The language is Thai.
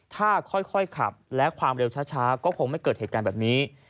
ถ้าค่อยขับและความเร็วช้าก็คงไม่เกิดเหตุการณ์แบบนี้